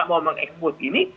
mau mengekspos ini